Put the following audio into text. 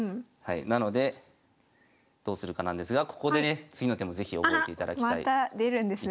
なのでどうするかなんですがここでね次の手も是非覚えていただきたい一手があります。